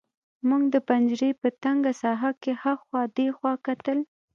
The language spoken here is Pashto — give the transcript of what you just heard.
موږ د پنجرې په تنګه ساحه کې هاخوا دېخوا کتل